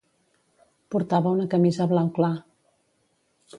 Portava un camisa blau clar.